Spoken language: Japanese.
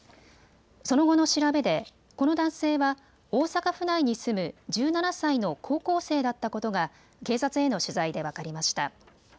その後の調べで、この男性は大阪府内に住む１７歳の高校生だったことが警察への取材で分かりました。